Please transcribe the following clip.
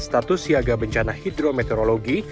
status siaga bencana hidrometeorologi